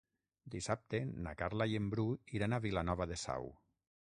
Dissabte na Carla i en Bru iran a Vilanova de Sau.